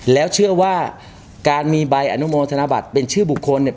แล้วเชื่อว่าการมีใบอนุโมธนบัตรเป็นชื่อบุคคลเนี่ย